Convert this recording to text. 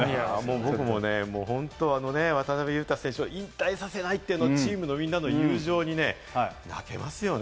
僕も本当に渡邊雄太選手を引退させないというチームのみんなの友情にね、泣けますよね。